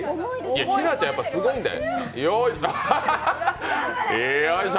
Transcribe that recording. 日奈ちゃん、やっぱりすごいんだよ。